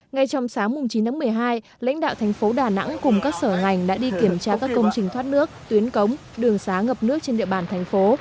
ngay trong sáng chín một mươi hai lãnh đạo thành phố đà nẵng cùng các sở ngành đã đi kiểm tra các công trình thoát nước tuyến cống đường xá ngập nước trên địa bàn thành phố